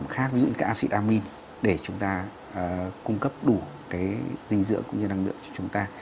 phẩm khác ví dụ như cái acid amine để chúng ta cung cấp đủ cái dinh dưỡng cũng như năng lượng cho chúng ta